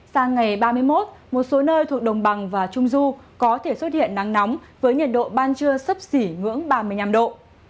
sang ngày ba mươi một một số nơi thuộc đồng bằng và trung du có thể xuất hiện nắng nóng với nhiệt độ ban trưa sấp xỉ ngưỡng ba mươi năm độ